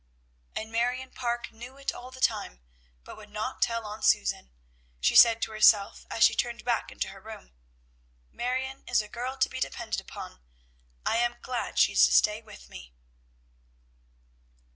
"And Marion Parke knew it all the time, but would not tell on Susan," she said to herself as she turned back into her room. "Marion is a girl to be depended upon, I am glad she is to stay with me."